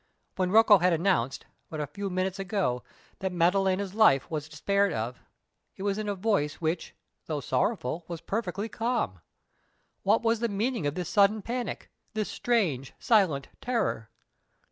When Rocco had announced, but a few minutes ago, that Maddalena's life was despaired of, it was in a voice which, though sorrowful, was perfectly calm. What was the meaning of this sudden panic this strange, silent terror?